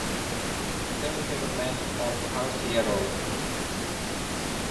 Middle segment of tarsi yellow.